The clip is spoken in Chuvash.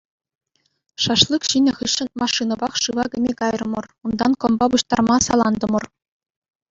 Шашлык ҫинӗ хыҫҫӑн машинӑпах шыва кӗме кайрӑмӑр, унтан кӑмпа пуҫтарма салантӑмӑр.